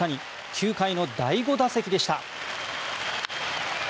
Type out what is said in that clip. ９回の第５打席でした。